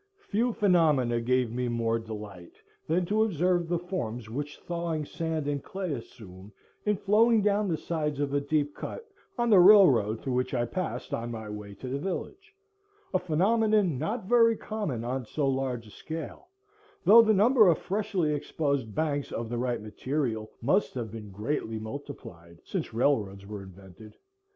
Few phenomena gave me more delight than to observe the forms which thawing sand and clay assume in flowing down the sides of a deep cut on the railroad through which I passed on my way to the village, a phenomenon not very common on so large a scale, though the number of freshly exposed banks of the right material must have been greatly multiplied since railroads were invented.